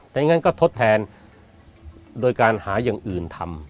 แต่งั้นก็ทดแทนโดยการหาอย่างอื่นทำ